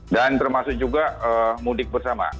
dan termasuk juga mudik bersama